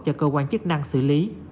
cho cơ quan chức năng xử lý